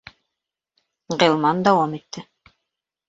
Ғилман дауам итте: